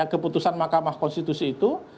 keputusan mahkamah konstitusi itu